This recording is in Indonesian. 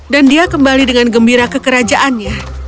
dia kembali dengan gembira ke kerajaannya